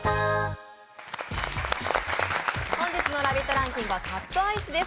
ランキングはカップアイスです。